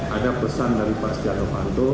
ada pesan dari pak setia novanto